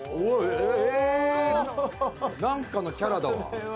なんかのキャラだわ。